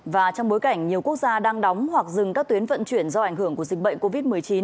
và trong bối cảnh nhiều quốc gia đang đóng hoặc dừng các tuyến vận chuyển do ảnh hưởng của dịch bệnh covid một mươi chín